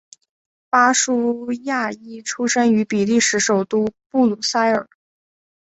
巴舒亚伊出生于比利时首都布鲁塞尔。